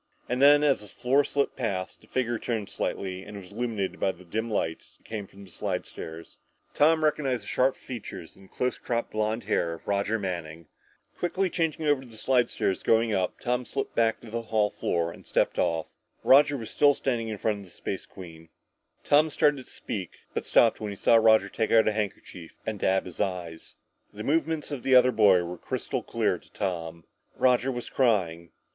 And then, as the floor slipped past, the figure turned slightly and was illuminated by the dim light that came from the slidestairs. Tom recognized the sharp features and close cropped blond hair of Roger Manning! [Illustration: Roger was still standing in front of the Space Queen!] Quickly changing over to the slidestairs going up, Tom slipped back to the hall floor and stepped off. Roger was still standing in front of the Space Queen! Tom started to speak, but stopped when he saw Roger take out a handkerchief and dab at his eyes. The movements of the other boy were crystal clear to Tom. Roger was crying!